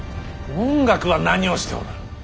文覚は何をしておる。